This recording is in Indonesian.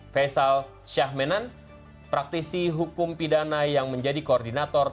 faisal syahmenan praktisi hukum pidana yang menjadi koordinator